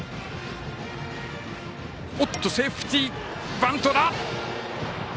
セーフティーバントだ。